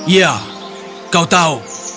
ya kau tahu